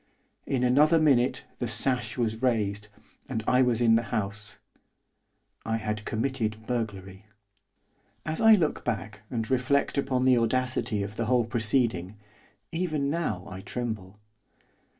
In another minute the sash was raised, and I was in the house, I had committed burglary. As I look back and reflect upon the audacity of the whole proceeding, even now I tremble.